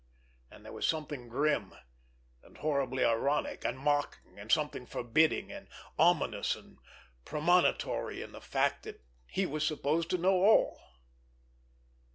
And there was something grim, and horribly ironic, and mocking, and something forbidding, and ominous and premonitory in the fact that he was supposed to know all!